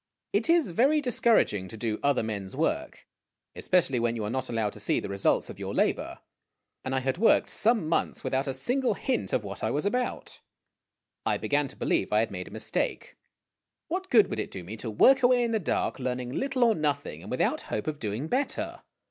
It is very discouraging to do other men's work, especially when THE SATCHEL 1/9 you are not allowed to see the results of your labor ; and I had worked some months without a single hint of what I was about. I began to believe I had made a mistake. What good would it do me to work away in the dark, learning little or nothing, and with out hope of doing better